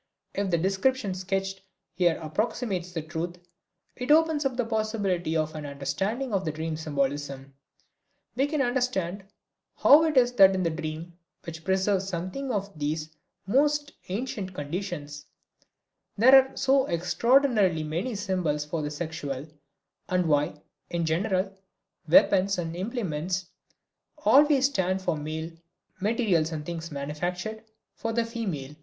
If the description sketched here approximates the truth, it opens up the possibility for an understanding of the dream symbolism. We can understand how it is that in the dream, which preserves something of these most ancient conditions, there are so extraordinarily many symbols for the sexual, and why, in general, weapons and implements always stand for the male, materials and things manufactured, for the female.